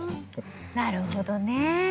なるほどね。